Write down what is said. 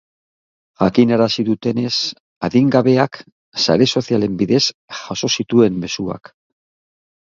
Jakinarazi dutenez, adingabeak sare sozialen bidez jaso zituen mezuak.